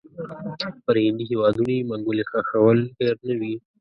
پر هندي هیوادونو یې منګولې ښخول هېر نه وي.